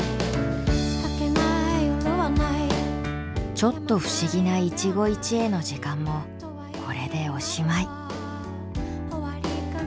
ちょっと不思議な一期一会の時間もこれでおしまい。